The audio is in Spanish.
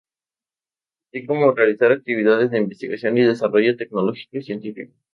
Así como realizar actividades de Investigación y Desarrollo tecnológico y científico.